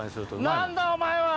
何だお前は！